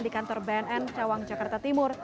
di kantor bnn cawang jakarta timur